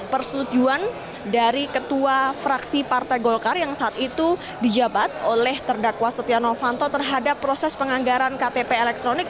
persetujuan dari ketua fraksi partai golkar yang saat itu dijabat oleh terdakwa setia novanto terhadap proses penganggaran ktp elektronik